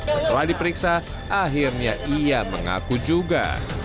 setelah diperiksa akhirnya ia mengaku juga